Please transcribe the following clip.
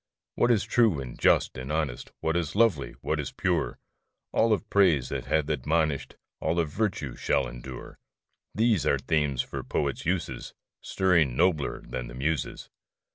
What is true and just and honest, What is lovely, what is pure, — All of praise that hath admonish'd, All of virtue, shall endure, — These are themes for poets' uses, Stirring nobler than the Muses.